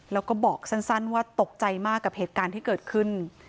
แล้วก็บอกสั้นว่าตกใจมากกับเหตุการณ์ที่เกิดขึ้น